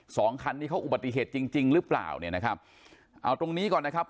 สองคันนี้เขาอุบัติเหตุจริงจริงหรือเปล่าเนี่ยนะครับเอาตรงนี้ก่อนนะครับ